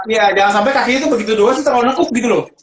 iya jangan sampai kakinya begitu doang sih terlalu nakuk gitu loh